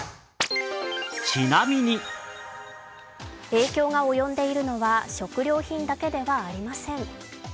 影響が及んでいるのは食料品だけではありません。